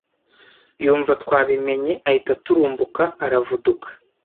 Yumva twabimenye ahita aturumbuka aravuduka